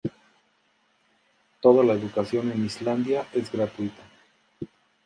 Toda la educación en Islandia es gratuita.